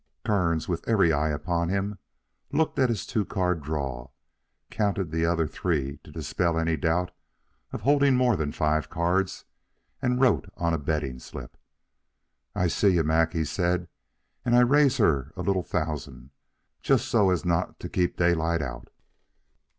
Kearns, with every eye upon him, looked at his two card draw, counted the other three to dispel any doubt of holding more than five cards, and wrote on a betting slip. "I see you, Mac," he said, "and I raise her a little thousand just so as not to keep Daylight out."